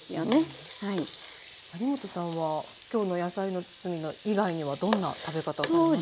有元さんは今日の野菜の包み以外にはどんな食べ方ありますか？